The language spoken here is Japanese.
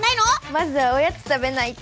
まずはおやつ食べないと！